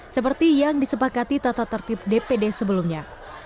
seperti yang disepakati tata tertib dpd sebelumnya